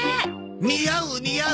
似合う似合う。